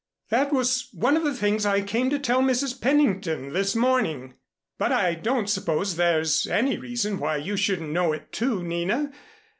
That was one of the things I came to tell Mrs. Pennington this morning. But I don't suppose there's any reason why you shouldn't know it, too, Nina.